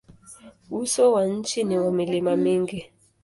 Uso wa nchi ni wa milima mingi.